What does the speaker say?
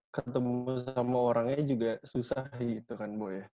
ketemu sama orangnya juga susah gitu kan bu ya